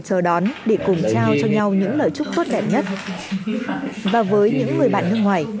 chờ đón để cùng trao cho nhau những lời chúc tốt đẹp nhất và với những người bạn nước ngoài